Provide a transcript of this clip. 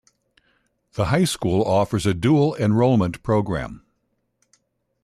The high school offers a Dual Enrollment program.